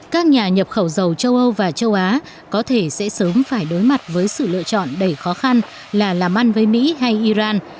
các nhà nhập khẩu dầu châu âu và châu á có thể sẽ sớm phải đối mặt với sự lựa chọn đầy khó khăn là làm ăn với mỹ hay iran